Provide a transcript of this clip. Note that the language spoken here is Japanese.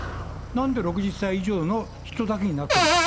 なんで６０歳以上の人だけになったのか。